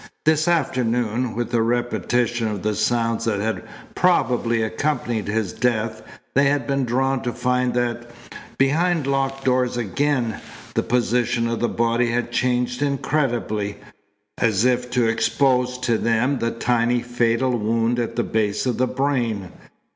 This afternoon, with a repetition of the sounds that had probably accompanied his death, they had been drawn to find that, behind locked doors again, the position of the body had changed incredibly, as if to expose to them the tiny fatal wound at the base of the brain.